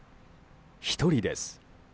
１人です。